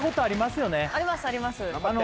ありますあります